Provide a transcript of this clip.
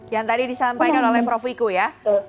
yang tadi disampaikan oleh prof wiku ya